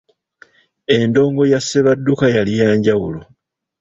Endongo ya Ssebadduka yali ya njawulo.